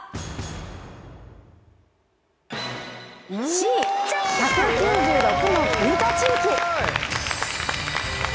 Ｃ「１９６の国と地域」。